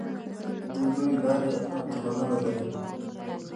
دوی لویې لارې او تونلونه لري.